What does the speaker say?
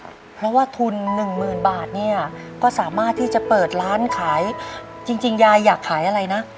เพราะว่าทุนหนึ่งหมื่นบาทเนี่ยก็สามารถที่จะเปิดร้านขายจริงจริงยายอยากขายอะไรนะ